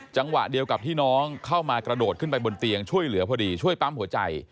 จังหวะเดียวกับที่น้องเข้ามากระโดดขึ้นไปบนเตียงช่วยเหลือพอดีช่วยปั๊มหัวใจ